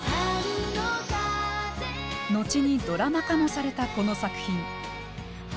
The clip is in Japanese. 後にドラマ化もされたこの作品。